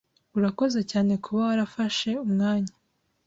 Urakoze cyane kuba warafashe umwanya